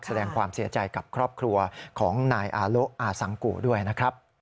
แสดงความเสียใจกับครอบครัวของนายอาโลอาสังกุด้วยนะครับ